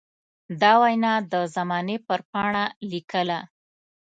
دا وينا د زمانې پر پاڼه ليکله.